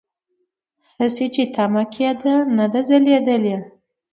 هغسې چې تمه کېده نه ده ځلېدلې.